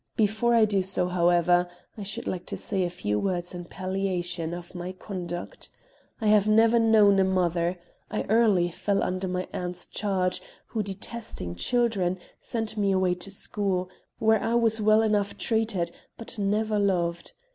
Before I do so, however, I should like to say a few words in palliation of my conduct. I have never known a mother. I early fell under my aunt's charge, who, detesting children, sent me away to school, where I was well enough treated, but never loved.